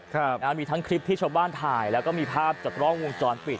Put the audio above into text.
ครับนะฮะมีทั้งคลิปที่ชาวบ้านถ่ายแล้วก็มีภาพจากกล้องวงจรปิด